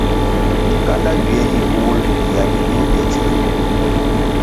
Kanda ywie yih wuwul kia bidiu bye tsina.